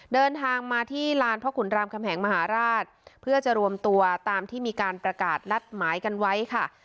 เดินทางมาที่ลานพระขุนรามคำแหงมหาราชเพื่อจะรวมตัวตามที่มีการประกาศนัดหมายกันไว้ค่ะ